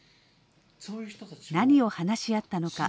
何を話し合ったのか。